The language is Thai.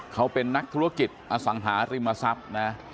เขาเป็นนักธุรกิจอสังหาริมทรัพย์นะ